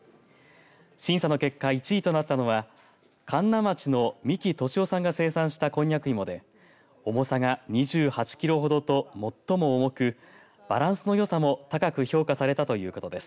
審査の結果１位となったのは神流町の三木俊夫さんが生産したこんにゃく芋で重さが２８キロほどと最も重くバランスのよさも高く評価されたということです。